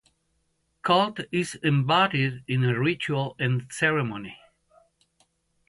Cult is embodied in ritual and ceremony.